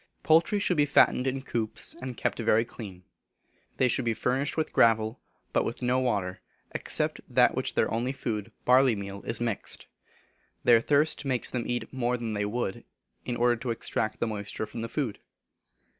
Poultry should be fattened in coops, and kept very clean. They should be furnished with gravel, but with no water, except that with which their only food, barley meal, is mixed. Their thirst makes them eat more than they would, in order to extract the moisture from the food.